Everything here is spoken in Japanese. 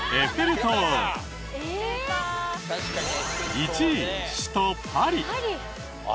１位首都パリ。